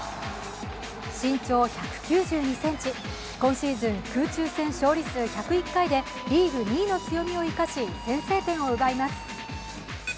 身長１９２ｃｍ、今シーズン空中戦勝利数１０１回でリーグ２位の強みを生かし先制点を奪います。